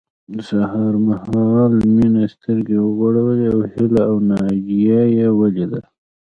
سهار مهال مينې سترګې وغړولې او هيله او ناجيه يې وليدلې